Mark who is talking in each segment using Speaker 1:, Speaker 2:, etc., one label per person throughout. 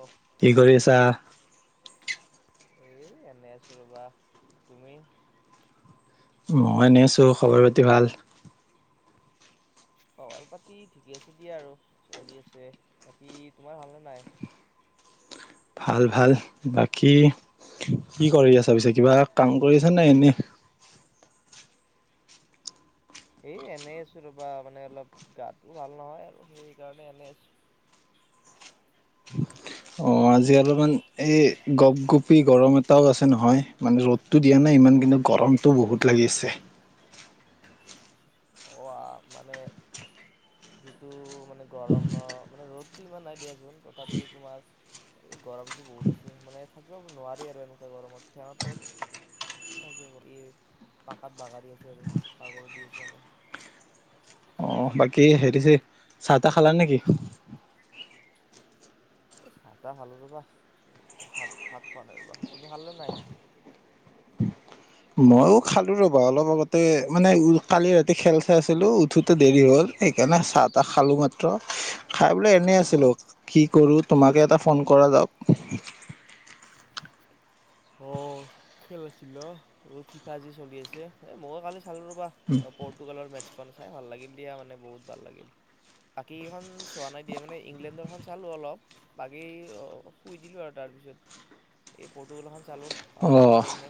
Speaker 1: অ'
Speaker 2: কি কৰি আছা?
Speaker 1: এ এনেই আছো ৰবা তুমি
Speaker 2: মই এনে আছো খবৰ পাতি ভাল?
Speaker 1: খবাৰ পাতি ঠিকে আছে দিয়া আৰু চলি আছে বাকী তোমাৰ ভালনে নাই?
Speaker 2: ভাল ভাল বাকী? কি কৰি আছা পিছে কিবা কাম কৰি আছ নে এনেই!
Speaker 1: এ এনেই আছো ৰবা মানে অলপ গাটো ভাল নহয় আৰু সেইকাৰণে এনে আছো।
Speaker 2: [inaudible] অঁ আজি অলপমান এই গপগপি গৰম এটাও আছে নহয় মানে ৰ'দটো দিয়া নাই ইমানখিনি গৰমটো বহুত লাগিছে।
Speaker 1: অ মানে যিটো মানে গৰম ন মানে ৰ'দ ইমান নাই দিয়াচোন তথাপিও তোমাৰ। এই গৰমটো বহুত আছে মানে থাকিব নোৱাৰি আৰু এনেকুৱা গৰমত সিহঁতৰ থাকিব এই পাকাত বাগাৰী আছে আৰু বাগৰ দি আছো আৰু
Speaker 2: অ বাকী হেৰিছে চাহ তাহ খালা নেকি?
Speaker 1: চাহ তাহ খালো। ৰবা ভাত ভাত খোৱা নাই ৰ'বা! তুমি খাল নে নাই?
Speaker 2: [unintelligible] মইও খালো ৰবা অলপ আগতে মানে উ কালি ৰাতি খেল চাই আছিলো উঠোতে দেৰি হ'ল। সেইকাৰণে চাহ, তাহ খালো মাত্ৰ খাই বোলে এনেই আছিলোঁ কি কৰোঁ তোমাকে এটা ফোন- কৰা যাওক
Speaker 1: অ খেল আছিল অ ফিফা যি চলি আছে এ মই কালি চালো ৰ'বা পৰ্তুগালক মেটছ- চাই ভাল লাগিল দিয়া মানে বহুত ভাল লাগিল বাকীখন চোৱা নাই দিয়া মানে ইংলেণ্ডৰ খন চালো অলপ বাকী শুই দিলো আৰু তাৰ পিছত এ পৰ্তুগল খন চালো ভাল লাগিল
Speaker 2: অ
Speaker 1: চাই কিনে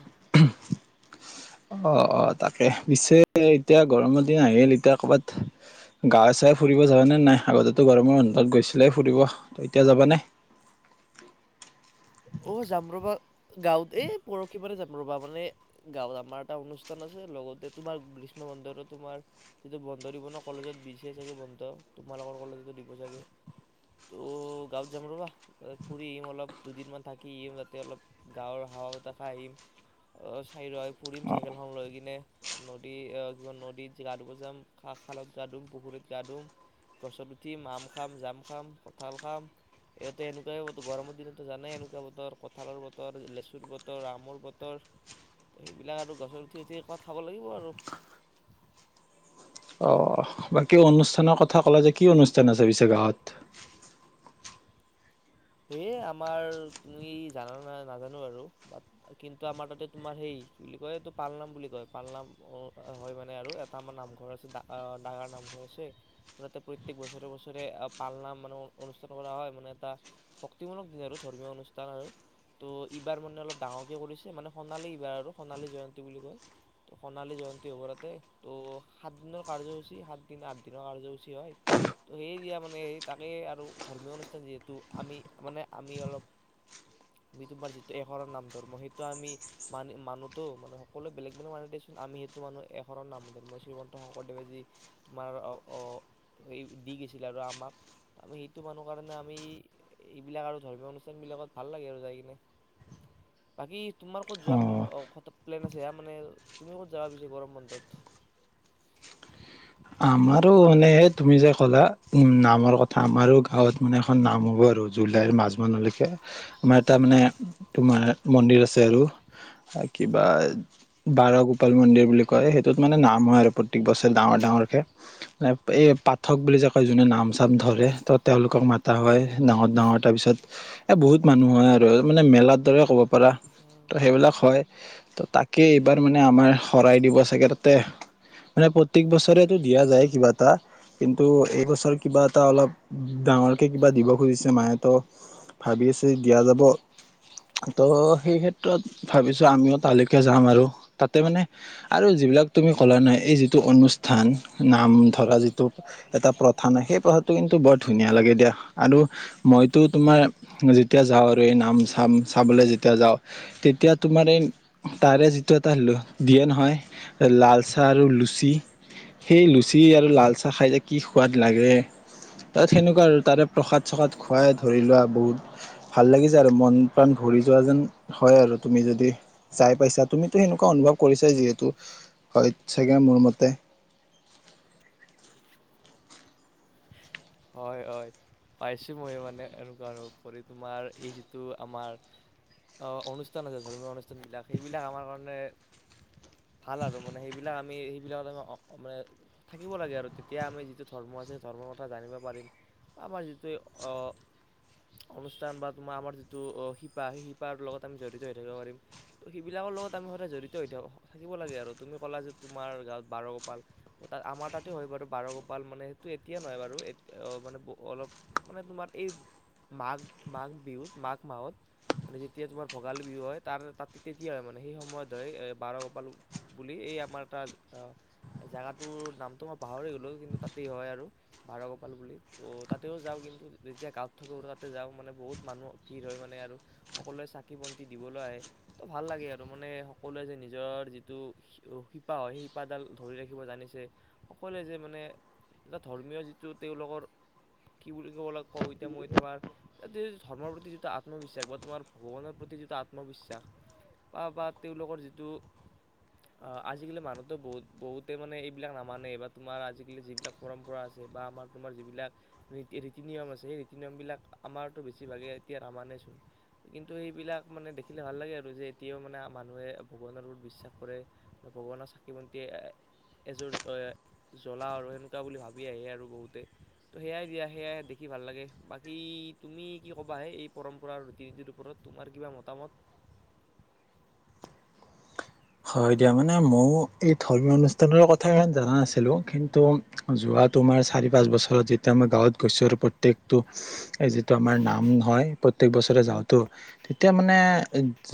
Speaker 2: অ অ তাকে পিছে এতিয়া গৰমৰ দিন আহিল এতিয়া কৰ'বাত গা চাই ফুৰিব যাবানে নাই আগতেতো গৰমৰ বন্ধত গৈছিলাই ফুৰিব এতিয়া যাবা নে- [unintelligible]
Speaker 1: অ জাম ৰবা গাঁৱত এই পৰখি মান জাম ৰবা মানে গাঁৱত আমাৰ এটা অনুষ্ঠান আছে। লগতে তোমাৰ গ্ৰীষ্ম বন্দৰ তোমাৰ যিটো বন্দদিব ন কলেজত দিছে চাগে বন্ধ তোমাৰ- লোকৰ কলেজতো দিব চাগে ত' গাঁৱত যাম ৰ'বা ফুৰি আহিম অলপ দুদিনমান থাকিম তাতে অলপ গাঁৱৰ হাৱা বতা খাই আহিম। ঠাই ৰয় ফুৰিম চাইকেলখন লৈ কিনে নদী আহ কিবা নদীত গা ধুম যাম খা খালত গা ধুম পুখুৰীত গা ধুম গছত উঠিম, আম খাম, জাম খাম, কঁঠাল খাম। ইয়াতে এনেকুৱই হব গৰমৰ দিনতো জানাই এনেকুৱা কুৱা বতৰ কঁঠালৰ বতৰ, লেচুৰ বতৰ, আমৰ বতৰ সেইবিলাক আৰু গছৰ উঠি উঠি কৱাত খাব লাগিব আৰু-
Speaker 2: উ অ বাকী অনুষ্ঠানৰ কথা কলা যে কি অনুষ্ঠান আছে পিছে গাঁৱত। [inaudible]
Speaker 1: এ আমাৰ তুমি জানা ন নাজানো আৰু কিন্তু আমাৰ তাতে তোমাৰ সেই বুলি কয় এইটো পালনাম বুলি কয় পালনাম অ আ হয় মানে আৰু এটা আমাৰ নামঘৰ আছে ডা আ ডাঙৰ নাম- ঘৰ আছে তাতে প্ৰত্যেক বছৰে বছৰে পালনাম মানে অনুষ্ঠান কৰা হয় মানে এটা- শক্তিমূলক দিন আৰু ধৰ্মীয় অনুষ্ঠান আৰু ত' ইবাৰ মানে অলপ ডাঙৰকে কৰিছে মানে সোণালী এইবাৰ আৰু সোণালী জয়ন্তী বুলি কয়। ত সোণালী জয়ন্তী হ'ব তাতে ত' সাত দিনৰ কাৰ্যসূচী সাত দিন আঠ দিনৰ কাৰ্যসূচী হয় ত' সেই যেইযেয়া মানে সেই তাকেই আৰু ধৰ্মীয় অনুষ্ঠান যিহেতু আমি মানে আমি অলপ। আমি তোমাৰ যিটো এশৰৰ নাম ধৰ্ম সেইটো আমি মান মানোতো মানে সকলোৱে বেলেগ বেলেগ মানে দেচোন- আমি সেইটো মানুহ এশৰণ নাম ধৰ্ম শ্ৰীমন্ত শংকৰদেৱে যি তোমাৰ আহ- সেই দি গৈছিলে। আৰু আমাক আমি সেইটো মানুহ কাৰণে আমি- এইবিলাক আৰু ধৰ্মীয় অনুষ্ঠান বিলাকত ভাল লাগে আৰু যাই কিনে-
Speaker 2: [inaudible]
Speaker 1: বাকী তোমাৰ ক'ত যোৱা অ প্লেন আছে এয়া মানে তুমি ক'ত যাব পিছে গৰম বন্ধত-
Speaker 2: অ আমাৰো মানে তুমি যে ক'লা উম নামৰ কথা আমাৰো গাঁৱত মানে এখন নাম হ'ব আৰু য'ত জাই মাজ মনলৈকে আমাৰ এটা মানে তোমাৰ মন্দিৰ আছে আৰু- কিবা বাৰগোপাল মন্দিৰ, বুলি কয় সেইটোত মানে নাম হয় আৰু প্ৰত্যেক বছৰে ডাঙৰ ডাঙৰকে এই পাঠক বুলি যে কয় যোনে নাম চাম ধৰে ত তেওঁলোকক মাতা হয় ডাঙৰ ডাঙৰ তাৰ পিছত এ বহুত মানুহ হয় আৰু মানে মেলাৰ দৰে ক'ব পাৰা। ত সেইবিলাক হয় ত তাকে এইবাৰ মানে আমাৰ শৰাই দিব চাগে তাতে মানে প্ৰত্যেক বছৰেতটো দিয়া যায় কিবা এটা। কিন্তু এইবছৰ কিবা এটা অলপ ডাঙৰকে কিবা দিব খুজিছে মাহতো ভাবি আছে দিয়া যাব- ত' সেই ক্ষেত্ৰত ভাবিছো আমিও তালৈকে যাম আৰু তাতে মানে আৰু- যিবিলাক তুমি কলা নাই এই যিটো অনুষ্ঠান নাম ধৰা যিটো এটা প্ৰথা নাই সেই প্ৰথাটো কিন্তু বৰ ধুনীয়া লাগে দিয়া আৰু মইতো তোমাৰ যেতিয়া যাওঁ আৰু এই নাম চাম চাবলে যেতিয়া যাওঁ তেতিয়া- তোমাৰ এই তাৰে যিটো এটা হলো দিয়ে নহয় লালচাহ আৰু লুচি সেই লুচি আৰু লাল চাহ খাই যে কি সোৱাদ লাগে তাত সেনেকুৱা আৰু তাৰে প্ৰসাদ চসাদ খোৱাই ধৰি লোৱা বহুত ভাল লাগিছে আৰু মন প্ৰাণ ভৰি যোৱা যেন হয় আৰু তুমি যদি যাই পাইছা তুমিতো সেনেকুৱা অনুভৱ কৰিছে যিহেতু হয় চাগে মোৰ মতে
Speaker 1: হয় হয় পাইছো মই মানে এনেকুৱা আৰু উপৰি তোমাৰ এই যিটো আমাৰ আহ অনুষ্ঠান আছে ধৰ্মীয় অনুষ্ঠান বিলাক সেইবিলাক আমাৰ কাৰণে ভাল আৰু মানে সেইবিলাক আমি আমি সেইবিলাকত মানে থাকিব লাগে আৰু তেতিয়া আমি যিটো ধৰ্ম আছে ধৰ্ম কথা জানিব, পাৰিম আমাৰ যিটো অ, অনুষ্ঠান বা তোমাৰ আমাৰ যিটো শিপা সেই শিপাৰ লগত আমি জড়িত হৈ থাকিব পাৰিম ত সেইবিলাক লগত আমি সদায় জড়িত হৈ থাক থাকিব লাগে আৰু তুমি ক'লা যে তোমাৰ গাঁৱত ব গোপাল ত আমাৰ তাত [unintelligible] হয় বাৰু বাৰ গোপাল মানেইটো এতিয়া নহয় বাৰু আহ মানে অলপ মানে তোমাৰ এই মাঘ মাঘ বিহুত মাঘ মাহত মানে যেতিয়া তোমাৰ ভোগালী বিহু হয় তাৰ ত তেতিয়া হয় মানে সেই সময়ত ধৰি বাৰগোপাল বুলি আমাৰ এটা জেগাটোৰ নামটো মই পাহৰি গ'লো কিন্তু তাতেই হয় আৰু পালো বুলি ত' তাতেও যাওঁ কিন্তু যেতিয়া গাঁৱত থাকো তাতে যাওঁ মানে বহুত মানুহ ভিৰ হয় মানে আৰু সকলোৱে চাকি বন্তি দিবলৈ আহে ত ভাল লাগে আৰু মানে সকলোৱে যে নিজৰ যিটো শিপা হয় সেই শিপাডাল ধৰি ৰাখিব জানিছে সকলোৱে যে মানে এটা ধৰ্মীয় যি যে তেওঁলোকৰ কি বুলি ক'ব ল কওঁ এতিয়া মই তোমাৰটো ধৰ্মৰ প্ৰতি যিটো আত্মবিশ্বাস বা তোমাৰ ভগৱানৰ প্ৰতি যিটো আত্মবিশ্বাস বা বা তেওঁলোকৰ যিটো অ আজিকালি মানুহতো বহুত বহুতে মানে এইবিলাক নামানেই বা তোমাৰ আজিকালি যিবিলাক পৰম্পৰা আছে বা আমাৰ তোমাৰ যিবিলাক ৰীতি নিয়ম আছে সেই ৰীতি নিয়মবিলাক আমাৰতো বেছি ভাগে এতিয়া নামানে। কিন্তু সেইবিলাক মানে দেখিলে ভাল লাগে আৰু যে এতিয়াও মানে মানুহে ভগৱানৰ ওপৰত বিশ্বাস কৰে। ভগৱানৰ চাকি বন্তিয়ে এযোৰ জ্বলা আৰু সেনেকুৱা বুলি ভাব আহে আৰু বহুতে তো সেয়াই দিয়া সেয়াই দেখি ভাল লাগে বাকী তুমি কি ক'বাহে এই পৰম্পৰা আৰু ৰীতি নীতিৰ ওপৰত তোমাৰ কিবা মতামত
Speaker 2: [inaudible] হয় দিয়া মানে ময় এই ধৰ্মীয় অনুষ্ঠানৰ কথা ইমান যানা নাছিলো কিন্তু যোৱা তোমাৰ চাৰি পাঁচ বছৰত যেতিয়া আমি গাঁৱত গৈছো আৰু প্ৰত্যেকটো যিটো আমাৰ নাম হয় প্ৰত্যেক বছৰে যাওঁতো তেতিয়া মানে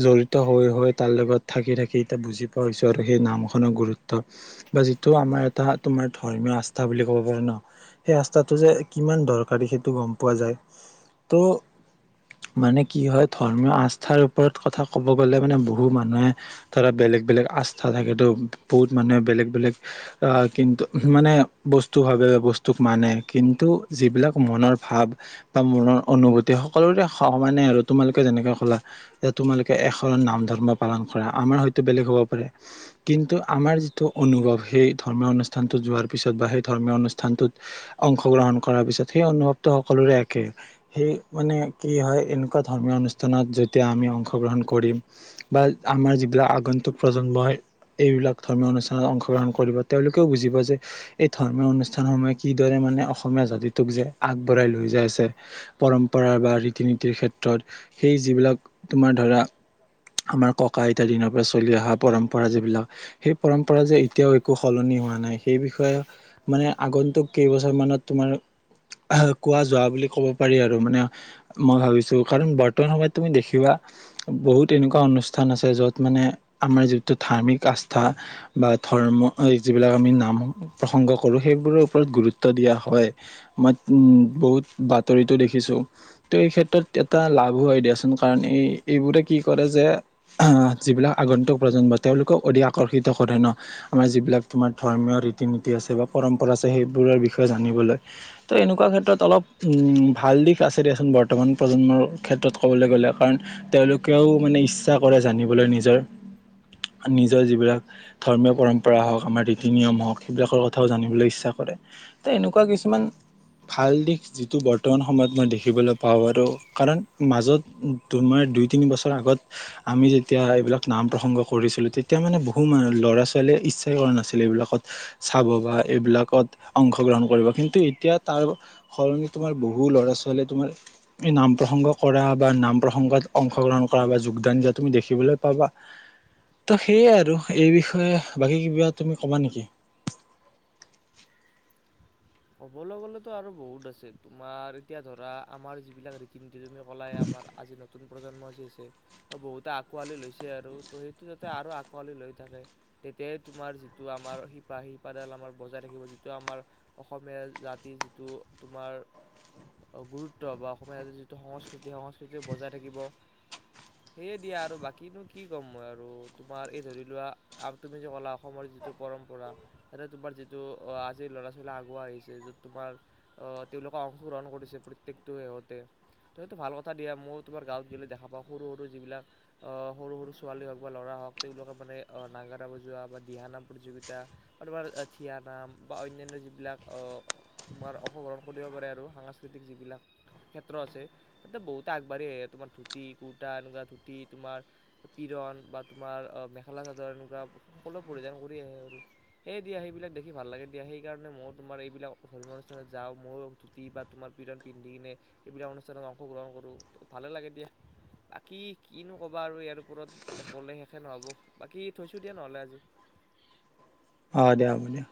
Speaker 2: জড়িত হৈ হৈ তাৰ লগত থাকি থাকি বুজি পোৱা হৈছো আৰু সেই নাম খনৰ গুৰুত্ব বা যিটো আমাৰ এটা তোমাৰ ধৰ্মীয় আস্থা বুলি ক ন সেই ৰাস্তাটো যে কিমান দৰকাৰী সেইটো গম পোৱা যায় তো মানে কি হয় ধৰ্মীয় আস্থাৰ ওপৰত কথা ক'ব গ'লে মানে বহু মানুহে ধাৰা বেলেগ বেলেগ আস্থা থাকে তো বহুত মানুহে বেলেগ বেলেগ আহ কিন্তু মানে বস্তু ভাৱে বস্তুক মানে কিন্তু যিবিলাক মনৰ ভাৱ বা মনৰ অনুভূতি। সকলোৰে সমানে আৰু তোমালোকে যেনেকে ক'লা যে তোমালোকে এশৰণ নাম ধৰ্ম পালন কৰা। আমাৰ হয়তো বেলেগ হ'ব পাৰে কিন্তু আমাৰ যিটো অনুভৱ সেই ধৰ্মীয় অনুষ্ঠানটো যোৱাৰ পিছত বা সেই ধৰ্মীয় অনুষ্ঠানটোত অংশগ্ৰহণ কৰাৰ পিছত সেই অনুভৱটো সকলোৰে একে সেই মানে কি হয় এনেকুৱা ধৰ্মীয় অনুষ্ঠানত যেতিয়া আমি অংশগ্ৰহণ কৰিম বা আমাৰ এইবিলাক আগন্তুক প্ৰজন্মই এইবিলাক ধৰ্মীয় অনুষ্ঠানত অংশগ্ৰহণ কৰিব তেওঁলোকেও বুজিব যে এই ধৰ্মীয় অনুষ্ঠান সমূহে কিদৰে মানে অসমীয়া জাতিটোক যে আগবঢ়াই লৈ যাই আছে। পৰম্পৰা বা ৰীতি নীতিৰ ক্ষেত্ৰত সেই যিবিলাক তোমাৰ ধৰা আমাৰ ককা আইতা দিনৰ পৰা চলি অহা পৰম্পৰা যিবিলাক সেই পৰম্পৰা যে এতিয়াও একো সলনি হোৱা নাই সেই বিষয়ে। মানে আগন্তুক কেইবছৰ মানত তোমাৰ আহ, কোৱা যোৱা বুলি ক'ব পাৰি আৰু মানে মই ভাবিছো কাৰণ বৰ্তমান সময়ত তুমি দেখিবা বহুত এনেকুৱা অনুষ্ঠান আছে য'ত মানে আমাৰ যিটো ধাৰ্মিক আস্থা বা ধৰ্ম যিবিলাক আমি নাম প্ৰসং সংগ্ৰ কৰোঁ সেইবোৰৰ ওপৰত গুৰুত্ব দিয়া হয় মই উম বহুত বাতৰিতো দেখিছোঁ। ত' এই ক্ষেত্ৰত এটা লাভো হয় দিয়াচোন কাৰণ এই এইবোৰে কি কৰে যে আহ যিবিলাক আগন্তুক প্ৰজন্ম তেওঁলোকক অধিক আকৰ্ষিত কৰে ন' আমাৰ যিবিলাক তোমাৰ ধৰ্মীয় ৰীতি- নীতি আছে। পৰম্পৰা আছে সেইবোৰৰ বিষয়ে জানিবলৈ ত' এনেকুৱা ক্ষেত্ৰত অলপ ভাল দিশ আছে। দিয়াছোন বৰ্তমান প্ৰজন্মৰ ক্ষেত্ৰত ক'বলৈ গ'লে, কাৰণ তেওঁলোকেও মানে ইচ্ছা কৰে জানিব। বোলে নিজৰ নিজৰ যিবিলাক ধৰ্মীয় পৰম্পৰা হওঁক আমাৰ ৰীতি -নিয়ম হওক সেইবিলাকৰ কথাও জানিবলৈ ইচ্ছা ক ৰে ত 'এনেকুৱা কিছুমান ভাল দিশ যিটো বৰ্তমান সময়ত মই দেখিবলৈ পাওঁ আৰু কাৰণ মাজত তোমাৰ দুই -তিনি বছৰ আগত আমি তেতিয়া এইবিলাক নাম -প্ৰসংগ কৰিছিলো তেতিয়া মানে বহু মান ল'ৰা -ছোৱালীয়ে ইচ্ছাই কৰা নাছিলে এইবিলাকত চাব বা এইবিলাকত অংশগ্ৰহণ কৰিব কিন্তু এতিয়া তাৰ সলনি তোমাৰ বহু ল'ৰা- ছোৱাল ৱালী তোমাৰ এই নাম -প্ৰসংগ কৰা বা নাম প্ৰসংগত অংশগ্ৰহণ কৰা বা যোগদান দিয়া তুমি দেখি বলৈ পাবা। ত' সেয়ে আৰু এই বিষয়ে বাকী কিবা তুমি কবা নেকি? [inaudible]
Speaker 1: ক'বলৈ গলেতো আৰু বহুত আছে তোমাৰ এতিয়া ধৰা আমাৰ যিবিলাক ৰীতি- নীতি তুমিটো কলাই আমাৰ আজিকালি নতুন প্ৰজন্ম যে আছে বহুতে আঁকোৱালি লৈছে আৰু ত'সেইটো যাতে আৰু আঁকোৱালি লৈ থাকে। তেতিয়াই তোমাৰ যিটো আমাৰ শিপা- শিপাডাল আমাৰ বজাই ৰাখিব যিটো আমাৰ অসমীয়া জাতিৰ যিটো তোমাৰ গুৰুত্ব বা অসমীয়াৰ যিটো সংস্কৃতি- সংস্কৃতি বজাই থাকিব। সেয়ে দিয়া আৰু বাকীনো কি ক'ম মই আৰু তোমাৰ এই ধৰি লোৱা তুমি যে ক'লা অসমৰ য যিটো পৰম্পৰা এতে তোমাৰ যিটো অ' আজিৰ ল'ৰা আগুৱাই আহিছে য'ত তোমাৰ আহ তেওঁলোকে অংশগ্ৰহণ কৰিছে প্ৰত্যেকটো সেহঁতে তু' এইটো ভাল কথা দিয়া মই তোমাৰ গাঁৱত গেলে দেখা পাওঁ সৰু- সৰু যিবিলাক আহ সৰু -সৰু ছোৱালী হওক বা ল'ৰা হক তেওঁলোকে মানে নাগাৰা- বজোৱা বা দিহানাম প্ৰতিযোগিতা আৰু তোমাৰ থিয়া- নাম বা অন্যান্য বিলাক অহ তোমাৰ অংশগ্ৰহণ কৰিব পাৰে আৰু সাংস্কৃতিক যিবিলাক ক্ষেত্ৰ আছে বহুত আগবাঢ়ি আহে তোমাৰ ধুতি- কুৰ্তা এনেকুৱা ধুতি তোমাৰ কিৰণ বা তোমাৰ অ মেখেলা -চাদৰ এনেকুৱা সকলো পৰিধান কৰি আহে আৰু সেই দিয়া সেইবিলাক দেখি ভাল লাগে দিয়া। সেইকাৰণে মোৰ তোমাৰ এইবিলাক ধৰ্মীয় অনুষ্ঠানত যাওঁ ময়ো ধুতি বা তোমাৰ পীৰন পিন্ধি কিনে এইবিলাক অনুষ্ঠানত অংশগ্ৰহণ কৰো ভালে লাগে দিয়া। বাকী কিনো ক'বা আৰু ইয়াৰ ওপৰত ক'লে শেষে নহ'ব বাকী থৈছো দিয়া নহলে আজি।
Speaker 2: অহ, দিয়া হ'ব দিয়া।